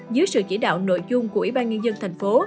dưới sự chỉ đạo nội dung của ủy ban nhân dân thành phố